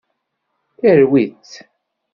Terwi-tt.